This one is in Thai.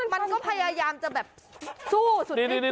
มันก็พยายามจะแบบสู้สุดชีวิต